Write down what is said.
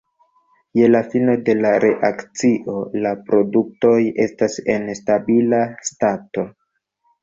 Je la fino de la reakcio la produktoj estas en stabila stato.